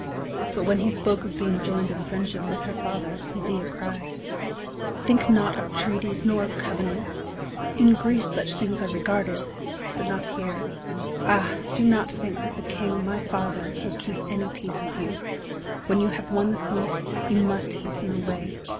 But when he spoke of being joined in friendship with her father, Medea cried: "Think not of treaties nor of covenants. In Greece such are regarded, but not here. Ah, do not think that the king, my father, will keep any peace with you! When you have won the Fleece you must hasten away.